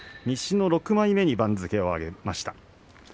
西の６枚目に番付を上げました。